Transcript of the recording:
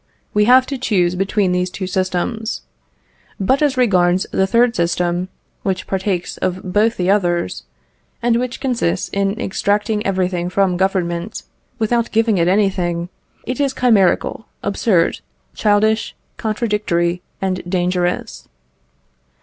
We have to choose between these two systems. But as regards the third system, which partakes of both the others, and which consists in exacting everything from Government, without giving it anything, it is chimerical, absurd, childish, contradictory, and dangerous.